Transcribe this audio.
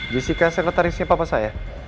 jessica sekretarisnya papa saya